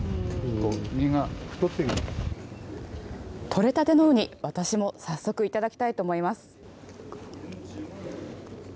取れたてのウニ、私も早速頂きたいと思います。